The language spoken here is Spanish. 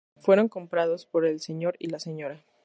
Fueron comprados por el Sr. y la Sra.